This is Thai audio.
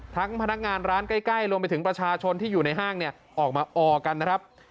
พนักงานร้านใกล้รวมไปถึงประชาชนที่อยู่ในห้างเนี่ยออกมาออกันนะครับ